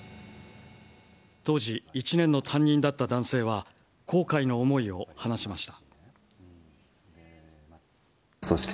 当時、１年の担任だった男性は後悔の思いを話しました。